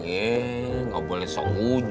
eh gak boleh seolah olah